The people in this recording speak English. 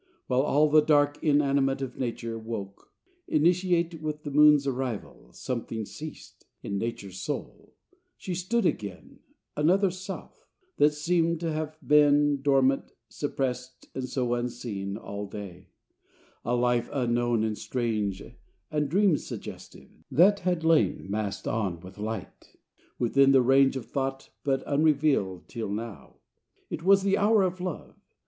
While all the dark inanimate Of Nature woke; initiate With th' moon's arrival, something ceased In Nature's soul: she stood again Another self, that seemed t' have been Dormant, suppressed and so unseen All day: a life, unknown and strange And dream suggestive, that had lain, Masked on with light, within the range Of thought, but unrevealed till now. It was the hour of love.